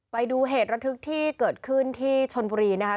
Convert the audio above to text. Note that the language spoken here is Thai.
ไปดูเหตุระทึกที่เกิดขึ้นที่ชนบุรีนะคะ